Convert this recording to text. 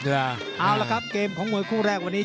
เอาแล้วกันครับเกมของโมยกว้างแรกวันนี้